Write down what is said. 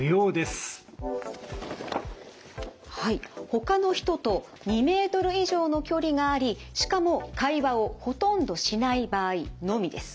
ほかの人と２ｍ以上の距離がありしかも会話をほとんどしない場合のみです。